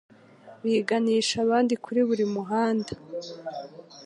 biganisha abandi kuri buri muhanda